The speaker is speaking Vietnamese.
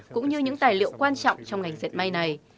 cũng như những tài liệu quan trọng trong ngành diệt may này